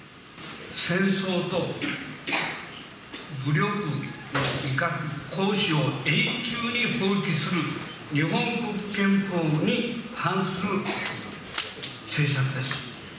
戦争と、武力の威嚇・行使を永久に放棄する、日本国憲法に反する政策です。